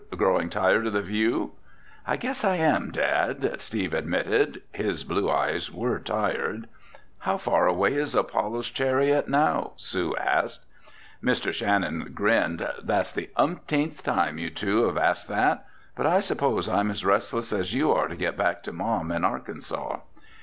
"Growing tired of the view?" "I guess I am, Dad," Steve admitted. His blue eyes were tired. "How far away is Apollo's Chariot now?" Sue asked. Mr. Shannon grinned. "That's the umpteenth time you two have asked that. But I suppose I'm as restless as you are to get back to Mom in Arkansas."